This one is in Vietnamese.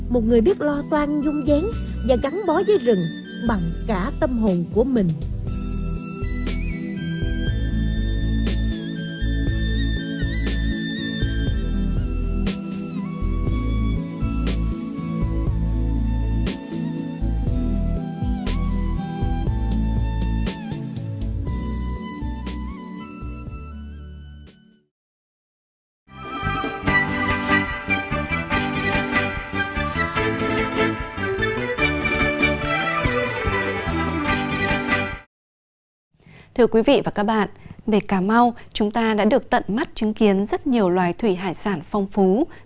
một người biết lo toan dung dáng và gắn bó với rừng bằng cả tâm hồn của mình